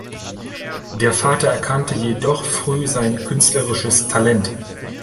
Der Vater erkannte jedoch früh sein künstlerisches Talent.